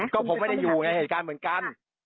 ก็ผมไม่ได้อยู่ไงเหตุการณ์เหมือนกัน